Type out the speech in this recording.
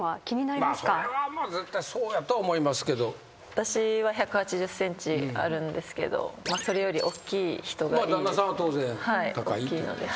私は１８０ｃｍあるんですけどそれより大きい人がいいです。